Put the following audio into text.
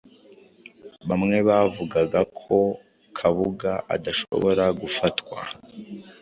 bamwe bavugaga ko Kabuga adashobora gufatwa